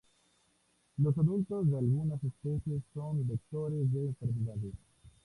Los adultos de algunas especies son vectores de enfermedades.